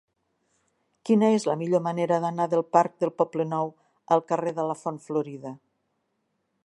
Quina és la millor manera d'anar del parc del Poblenou al carrer de la Font Florida?